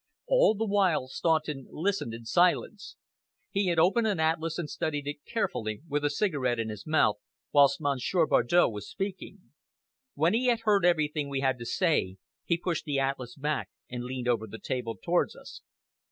All the while Staunton listened in silence. He had opened an atlas, and studied it carefully with a cigarette in his mouth, whilst Monsieur Bardow was speaking. When he had heard everything we had to say, he pushed the atlas back and leaned over the table towards us.